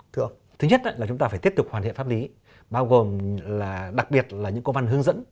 thứ nhất là chúng ta phải tiếp tục hoàn thiện pháp lý đặc biệt là những câu văn hướng dẫn